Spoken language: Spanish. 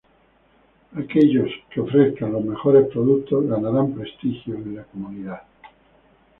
Aquellos que ofrezcan los mejores productos ganarán prestigio en la comunidad.